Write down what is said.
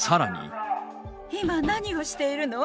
今、何をしているの？